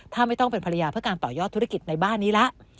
ถ้าไม่ต้องเป็นภรรยาเพื่อการต่อยอดธุรกิจในบ้านนี้ละ